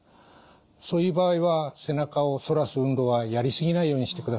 そういう場合は背中を反らす運動はやり過ぎないようにしてください。